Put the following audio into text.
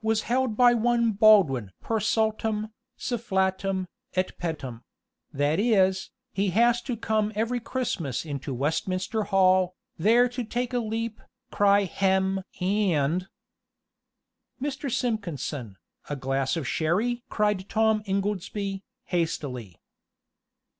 was held by one Baldwin per saltum, sufflatum, et pettum; that is, he was to come every Christmas into Westminster Hall, there to take a leap, cry hem! and " "Mr. Simpkinson, a glass of sherry?" cried Tom Ingoldsby, hastily.